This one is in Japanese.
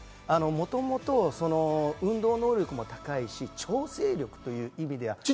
もともと運動能力も高いし、調整力という意味では。